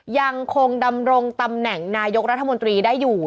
ยังคงดำรงตำแหน่งนายกรัฐมนตรีได้อยู่